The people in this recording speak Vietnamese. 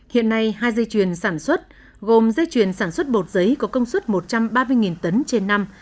hiện nay hai dây chuyền sản xuất gồm dây chuyền sản xuất bột giấy có công suất một trăm ba mươi tấn trên năm